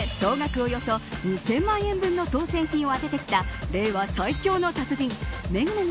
およそ２０００万円分の当選品を当ててきた令和最強の達人めぐめぐ。